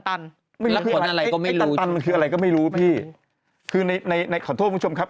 และขนอะไรก็ไม่รู้จริงพี่คือในขอโทษคุณผู้ชมครับ